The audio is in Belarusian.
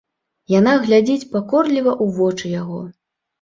Яна глядзіць пакорліва ў вочы яго.